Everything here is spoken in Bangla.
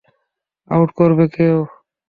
আউট করবে কেউ?